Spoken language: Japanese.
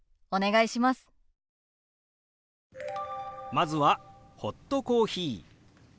まずは「ホットコーヒー」。